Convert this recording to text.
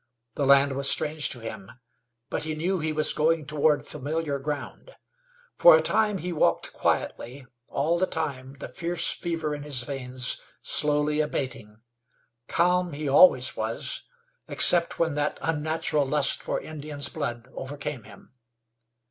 The land was strange to him, but he knew he was going toward familiar ground. For a time he walked quietly, all the time the fierce fever in his veins slowly abating. Calm he always was, except when that unnatural lust for Indians' blood overcame him.